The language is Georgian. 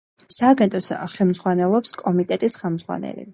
სააგენტოს ხელმძღვანელობს კომიტეტის ხელმძღვანელი.